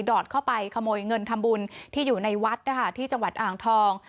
อดเข้าไปขโมยเงินทำบุญที่อยู่ในวัดนะคะที่จังหวัดอ่างทอง